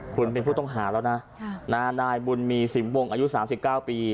คุณเป็นผู้ต้องหาแล้วนะนายบุญมีสิมวงอายุ๓๙ปี